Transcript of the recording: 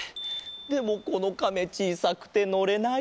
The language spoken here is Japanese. でもこのカメちいさくてのれない。